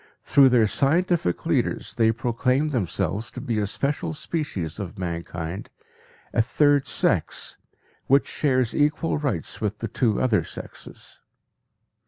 Through their scientific leaders they proclaim themselves to be a special species of mankind, "a third sex," which shares equal rights with the two other sexes.